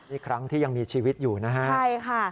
อีกครั้งที่ยังมีชีวิตอยู่นะฮะ